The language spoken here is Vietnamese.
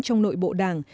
trong nội bộ đảng